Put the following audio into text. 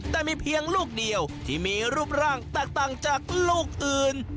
แต่มีเพียงลูกเดียวที่มีรูปร่างแตกต่างจากลูกอื่น